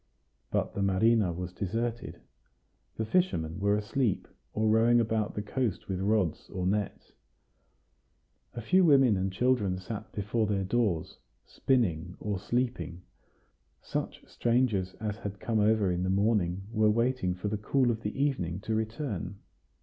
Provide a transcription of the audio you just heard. But the marina was deserted. The fishermen were asleep, or rowing about the coast with rods or nets; a few women and children sat before their doors, spinning or sleeping: such strangers as had come over in the morning were waiting for the cool of the evening to return.